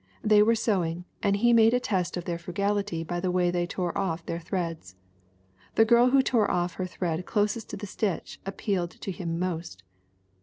They were sewing and he made a test of their frugality by the way they tore off their threads. The girl who tore off her thread closest to the stitch appealed to him most.